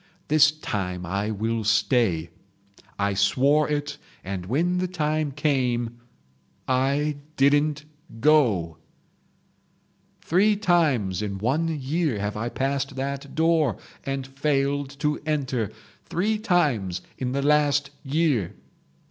This time I will stay ..... I swore it and when the time came—I didn't go. "Three times in one year have I passed that door and failed to enter. Three times in the last year.